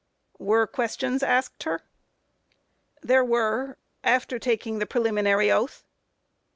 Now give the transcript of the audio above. Q. Were questions asked her? A. There were, after taking the preliminary oath.